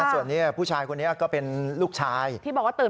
ส่วนนี้ผู้ชายคนนี้ก็เป็นลูกชายที่บอกว่าตื่น